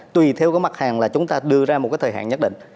tùy theo cái mặt hàng là chúng ta đưa ra một cái thời hạn nhất định